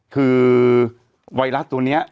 คือไวรัสตัวนี้